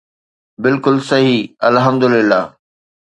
بلڪل صحيح الحمدلله